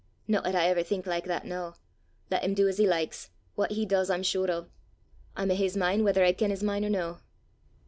No 'at I ever think like that noo; lat him do 'at he likes, what he does I'm sure o'. I'm o' his min' whether I ken his min' or no.